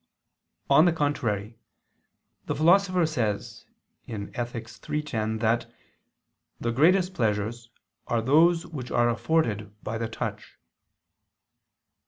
On the contrary, The Philosopher says (Ethic. iii, 10), that the greatest pleasures are those which are afforded by the touch.